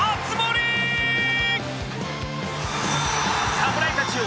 侍たちよ